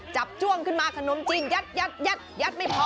จ้วงขึ้นมาขนมจีนยัดไม่พอ